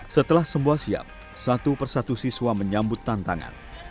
setelah semua siap satu persatu siswa menyambut tantangan